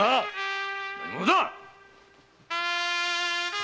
何者だ！